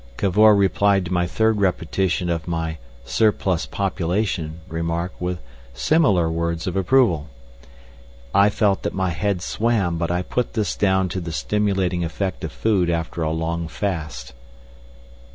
Cavor replied to my third repetition of my "surplus population" remark with similar words of approval. I felt that my head swam, but I put this down to the stimulating effect of food after a long fast.